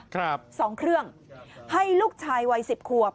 ครับสองเครื่องให้ลูกชายวัย๑๐ควบ